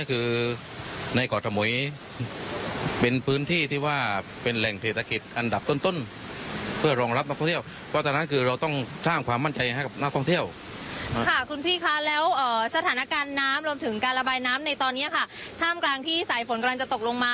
ค่ะคุณพี่คะแล้วสถานการณ์น้ำรวมถึงการระบายน้ำในตอนนี้ค่ะท่ามกลางที่สายฝนกำลังจะตกลงมา